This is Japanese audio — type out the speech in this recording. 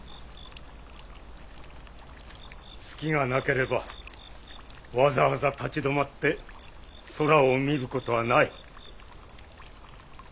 月がなければわざわざ立ち止まって空を見る事はない。